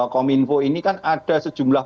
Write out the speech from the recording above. kominfo ini kan ada sejumlah